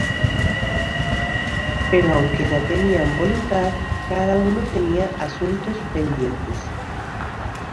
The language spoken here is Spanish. Pero aunque ya tenían la voluntad, cada uno tenía asuntos pendientes.